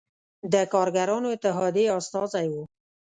د کارګرانو اتحادیې استازی و.